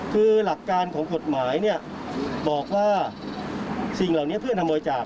คือหลักการของกฎหมายบอกว่าสิ่งเหล่านี้เพื่อนำบริจาค